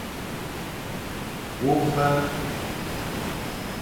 Wo va.